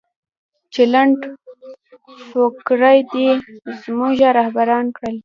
چې لنډفکره دې زموږه رهبران کړل